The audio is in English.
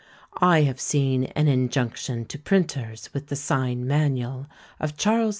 I have seen an injunction to printers with the sign manual of Charles II.